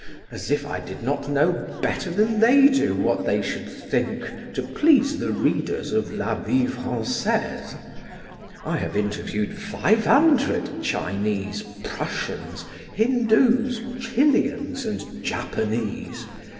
As if I did not know better than they do what they should think to please the readers of 'La Vie Francaise'! I have interviewed five hundred Chinese, Prussians, Hindoos, Chilians, and Japanese.